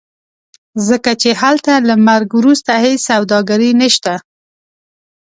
ځکه چې هلته له مرګ وروسته هېڅ سوداګري نشته.